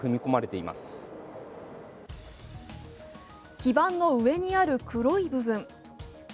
基板の上にある黒い部分。